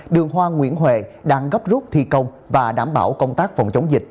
đường hoa nguyễn huệ đang gấp rút thi công và đảm bảo công tác phòng chống dịch